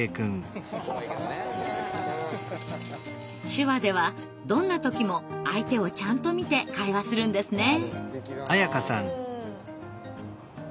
手話ではどんな時も相手をちゃんと見て会話するんですね。